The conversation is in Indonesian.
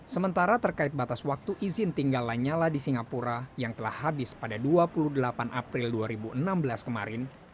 sementara terkait batas waktu izin tinggal lanyala di singapura yang telah habis pada dua puluh delapan april dua ribu enam belas kemarin